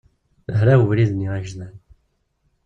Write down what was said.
Hraw ubrid-nni agejdan.